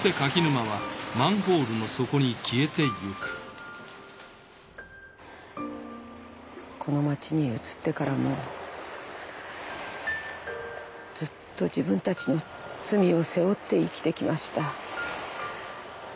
あんたこの町に移ってからもずっと自分たちの罪を背負って生きてきました。